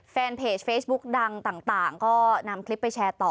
แฟนเพจเฟซบุ๊กดังต่างก็นำคลิปไปแชร์ต่อ